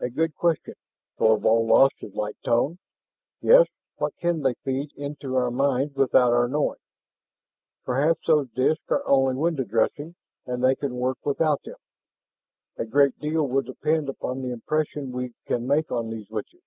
"A good question." Thorvald lost his light tone. "Yes, what can they feed into our minds without our knowing? Perhaps those disks are only window dressing, and they can work without them. A great deal will depend upon the impression we can make on these witches."